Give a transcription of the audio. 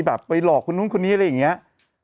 แบบไปหลอกคุณนี่อะไรอย่างเงี้ยอ่ะ